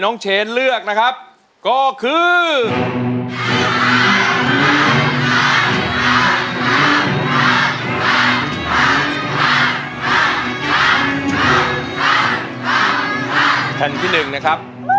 โอ๊ยโอ๊ยขึ้นมาขึ้นมาแม่ขึ้นมา